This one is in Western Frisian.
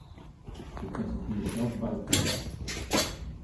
Do kinst it hier sels bypuntsje.